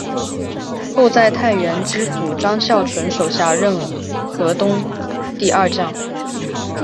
后在太原知府张孝纯手下任河东第二将。